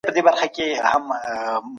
سياستپوهنه د دغو ګټو او بيو انډول څېړي.